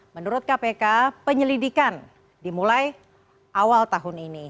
menurut kpk penyelidikan dimulai awal tahun ini